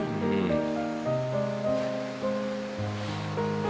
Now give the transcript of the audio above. อืม